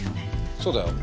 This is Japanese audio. そうだよ。